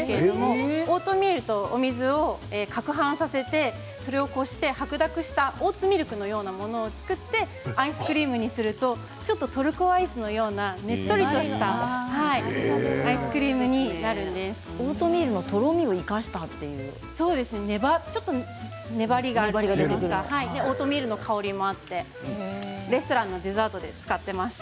オートミールと水をかくはんさせてそれを、こしてオーツミルクのようなものを作ってアイスクリームにするとトルコアイスのようなオートミールの粘りがあってオートミールの香りもあってレストランのデザートで使っていました。